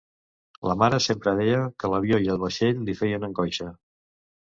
La mare sempre deia que l'avió i el vaixell li feien angoixa.